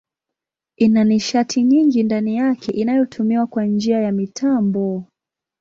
Ina nishati nyingi ndani yake inayotumiwa kwa njia ya mitambo.